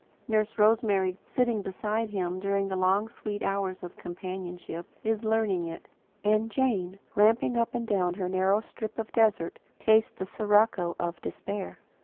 Nurse Rosemary, sitting beside him during long sweet hours of companionship, is learning it; and Jane, ramping up and down her narrowing strip of desert, tastes the sirocco of despair.